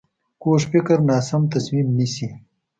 کوږ فکر ناسم تصمیم نیسي